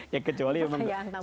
ya kecuali memang